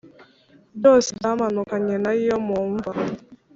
Byose byamanukanye na yo mu mva